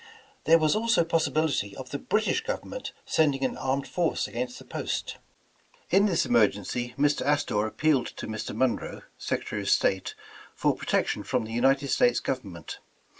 There was also possibility of the British government sending an armed force against the post. In this emergency, Mr. Astor appealed to Mr. Mon roe, Secretary of State, for protection from the United States Government.